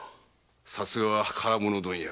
さすがは唐物問屋。